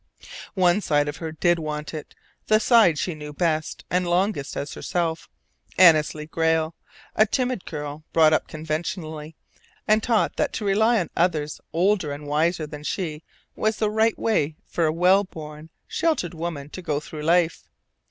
One side of her did want it: the side she knew best and longest as herself, Annesley Grayle, a timid girl brought up conventionally, and taught that to rely on others older and wiser than she was the right way for a well born, sheltered woman to go through life.